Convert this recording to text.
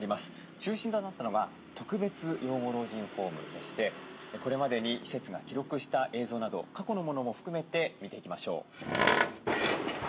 中心となったのは特別養護老人ホームでしてこれまでに施設が記録した映像など過去のものも含めて見ていきましょう。